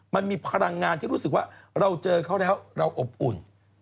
มันมีพลังงานที่รู้สึกว่าเราเจอเขาแล้วเราอบอุ่น